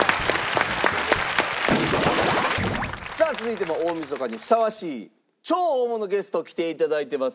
さあ続いても大晦日にふさわしい超大物ゲスト来て頂いてます。